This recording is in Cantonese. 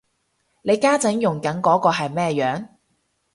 你家陣用緊嗰個係咩樣